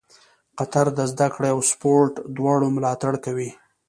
قطر د زده کړې او سپورټ دواړو ملاتړ کوي.